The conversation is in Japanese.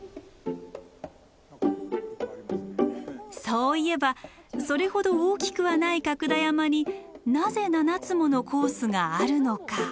そういえばそれほど大きくはない角田山になぜ７つものコースがあるのか？